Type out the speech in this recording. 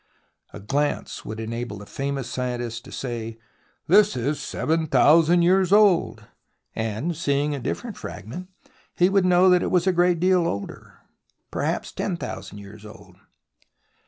A glance would enable the famous scientist to say :" This is seven thousand years old." And, seeing a different fragment, he would know that it was a great deal older — perhaps ten thousand years old.